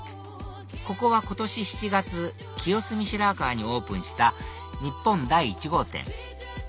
ここは今年７月清澄白河にオープンした日本第１号店